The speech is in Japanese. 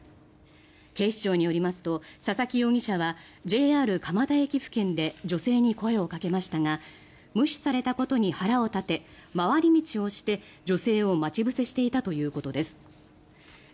警視庁によりますと佐々木容疑者はＪＲ蒲田駅付近で女性に声をかけましたが無視されたことに腹を立て回り道をして女性を待ち伏せしていたということです。